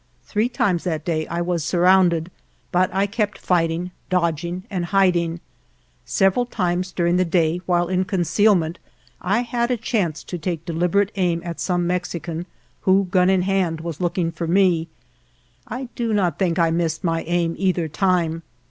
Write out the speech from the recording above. Three times that day I was surrounded, but I kept fighting, dodging, and hiding. Several times during the day while in concealment I had a chance to take deliberate aim at some Mexican, who, gun in hand, was looking for me. I do not think I missed my aim either time.